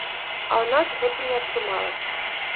А ў нас гэта не атрымалася.